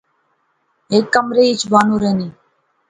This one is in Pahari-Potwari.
ہک کمرے اچ بانو رہنی